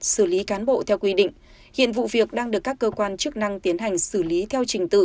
xử lý cán bộ theo quy định hiện vụ việc đang được các cơ quan chức năng tiến hành xử lý theo trình tự